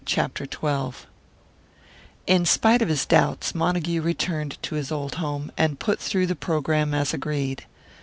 CHAPTER XII IN spite of his doubts, Montague returned to his old home, and put through the programme as agreed.